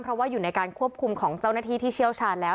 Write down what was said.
เพราะว่าอยู่ในการควบคุมของเจ้าหน้าที่ที่เชี่ยวชาญแล้ว